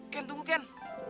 ken tunggu ken